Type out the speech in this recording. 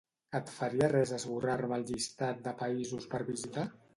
Et faria res esborrar-me el llistat de països per visitar?